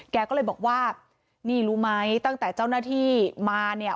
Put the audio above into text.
แกก็เลยบอกว่านี่รู้ไหมตั้งแต่เจ้าหน้าที่มาเนี่ย